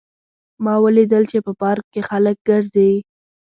ما ولیدل چې په پارک کې خلک ګرځي